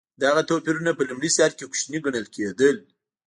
دغه توپیرونه په لومړي سر کې کوچني ګڼل کېدل.